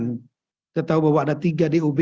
dan kita tahu bahwa ada tiga dob